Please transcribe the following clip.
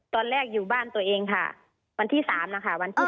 ตอนแรกอยู่บ้านตัวเองค่ะวันที่๓นะคะวันที่๑